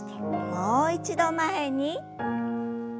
もう一度前に。